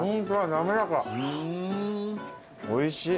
おいしい。